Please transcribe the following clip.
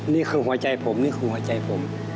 นี่คือหัวใจผมนี่คือหัวใจผม